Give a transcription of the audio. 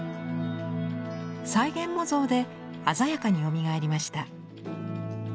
再現模造で鮮やかによみがえりました。